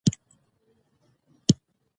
په افغانستان کې زردالو ډېر اهمیت لري.